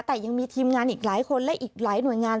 แต่ยังมีทีมงานอีกหลายคนและอีกหลายหน่วยงาน